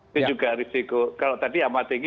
itu juga risiko kalau tadi amat tinggi